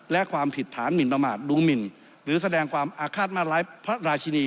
และความผิดฐานหมินประมาทดูงหมินหรือแสดงความอาฆาตมาร้ายพระราชินี